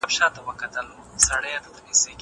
زه اوږده وخت انځورونه رسم کوم!!